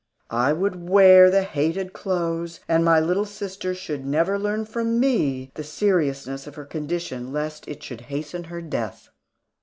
I would wear the hated clothes and my little sister should never learn from me the seriousness of her condition, lest it should hasten her death.